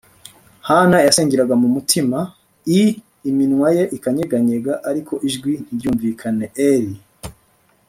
hana yasengeraga mu mutima l iminwa ye ikanyeganyega ariko ijwi ntiryumvikane eli